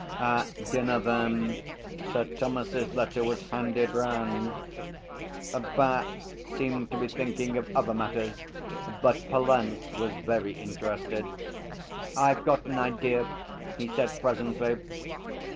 At dinner, then, Sir Thomas's letter was handed round. Bat seemed to be thinking of other matters, but Pallant was very interested. 'I've got an idea,' he said presently.